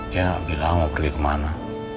dia bilang mau pergi kemana